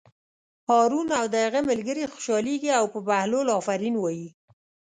هارون او د هغه ملګري خوشحالېږي او په بهلول آفرین وایي.